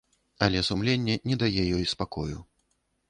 Але сумленне не дае ёй спакою.